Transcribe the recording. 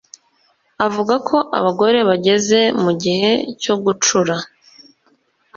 avuga ko abagore bageze mu gihe cyo gucura